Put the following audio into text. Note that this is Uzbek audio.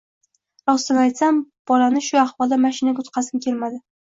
Rostini aytsam, bolani shu ahvolda mashinaga o‘tqazgim kelmadi.